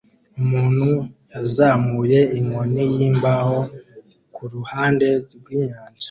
Umuntu yazamuye inkoni yimbaho kuruhande rwinyanja